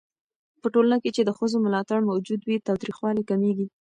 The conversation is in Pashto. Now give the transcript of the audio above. په ټولنه کې چې د ښځو ملاتړ موجود وي، تاوتريخوالی کمېږي.